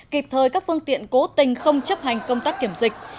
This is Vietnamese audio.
kịp thời các phương tiện cố tình không chấp hành công tác kiểm dịch